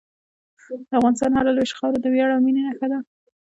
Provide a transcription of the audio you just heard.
د افغانستان هره لویشت خاوره د ویاړ او مینې نښه ده.